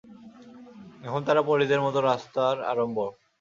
এখন তারা পরীদের মত রাস্তার আড়ম্বর।